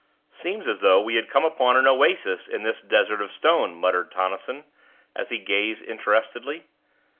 "Seems as though we had come upon an oasis in this desert of stone," muttered Tonnison, as he gazed interestedly.